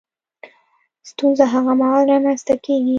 ستونزه هغه مهال رامنځ ته کېږي